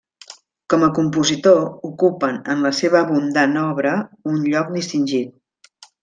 Com a compositor ocupen en la seva abundant obra un lloc distingit.